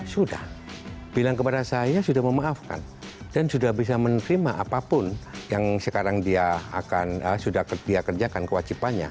sudah bilang kepada saya sudah memaafkan dan sudah bisa menerima apapun yang sekarang dia akan sudah dia kerjakan kewajibannya